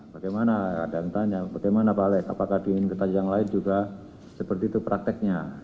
bagaimana ada yang tanya bagaimana pak alex apakah diingin kita yang lain juga seperti itu prakteknya